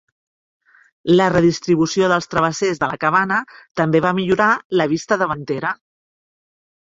La redistribució dels travessers de la cabana també va millorar la vista davantera.